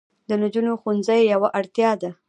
د نجونو ښوونځي یوه اړتیا ده.